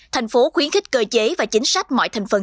thành phố khuyến khích cơ chế và chính sách mọi thành phần